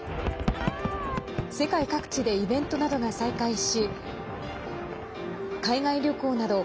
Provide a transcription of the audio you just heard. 世界各地でイベントなどが再開し海外旅行など